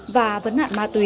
và vấn hạn ma túy